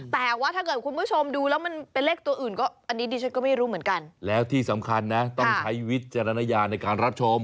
แต่ว่าถ้าเกิดคุณผู้ชมดูแล้วมันเป็นเลขตัวอื่นก็อันนี้ดิฉันก็ไม่รู้เหมือนกันแล้วที่สำคัญนะต้องใช้วิจารณญาณในการรับชม